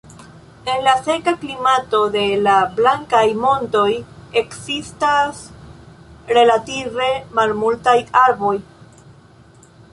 En la seka klimato de la "Blankaj montoj" ekzistas relative malmultaj arboj.